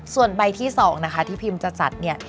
ส่วนใบที่๒นะคะที่พิมจะจัดเนี่ย